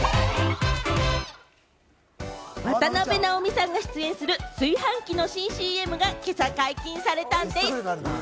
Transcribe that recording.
渡辺直美さんが出演する炊飯器の新ＣＭが今朝、解禁されたんでぃす。